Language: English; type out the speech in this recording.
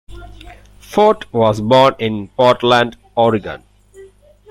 Forte was born in Portland, Oregon.